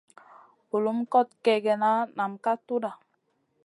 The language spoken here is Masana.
Bulum kot kègèna nam ka tudha.